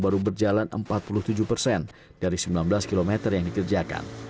baru berjalan empat puluh tujuh persen dari sembilan belas km yang dikerjakan